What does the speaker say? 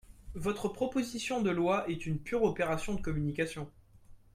Votre proposition de loi est une pure opération de communication.